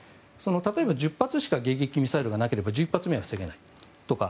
例えば、１０発しか迎撃ミサイルがなければ１１発目は防げないとか。